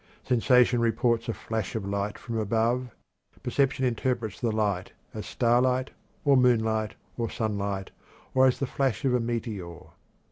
Sensation reports a flash of light from above; perception interprets the light as starlight, or moonlight, or sunlight, or as the flash of a meteor.